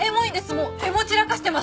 もうエモ散らかしてます！